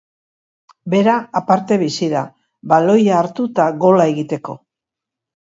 Bera aparte bizi da, baloia hartu eta gola egiteko.